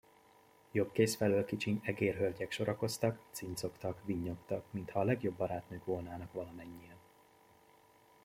Jobb kéz felől kicsiny egérhölgyek sorakoztak; cincogtak, vinnyogtak, mintha a legjobb barátnők volnának valamennyien.